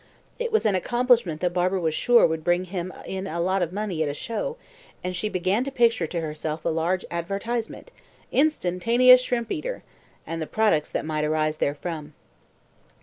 It was an accomplishment that Barbara was sure would bring him in a lot of money at a show, and she began to picture to herself a large advertisement, "Instantaneous Shrimp eater," and the products that might arise therefrom.